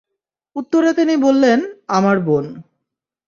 উত্তরে তিনি বললেনঃ আমার বোন।